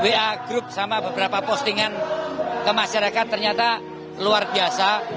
wa group sama beberapa postingan ke masyarakat ternyata luar biasa